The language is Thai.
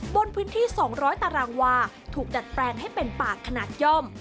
บนพื้นที่๒๐๐ตารางวาถูกดัดแปลงให้เป็นป่าขนาดย่อม